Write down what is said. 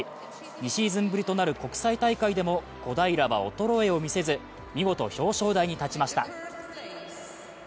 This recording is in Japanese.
２シーズンぶりとなる国際大会でも小平は衰えを見せず見事、表彰台に立ちました。